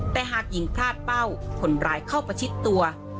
แต่หากหญิงพลาดเป้าคนร้ายเข้าประชิดตัว